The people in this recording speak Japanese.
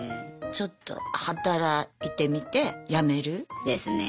ちょっと働いてみて辞める？ですね。